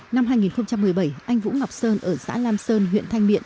năm hai nghìn một mươi bảy anh vũ ngọc sơn ở xã lam sơn huyện thanh miện